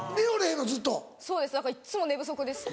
そうですだからいっつも寝不足です。